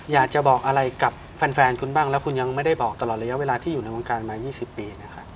อยากจะบอกอะไรกับแฟนคุณบ้างแล้วคุณยังไม่ได้บอกตลอดระยะเวลาที่อยู่ในวงการมา๒๐ปีนะครับ